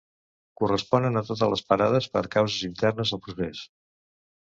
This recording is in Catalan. Corresponen a totes les parades per causes internes al procés.